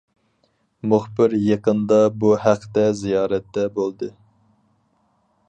مۇخبىر يېقىندا بۇ ھەقتە زىيارەتتە بولدى.